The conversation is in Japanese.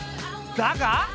だが。